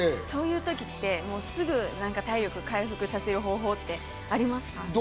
そういう時ってすぐ体力を回復させる方法ってありますか？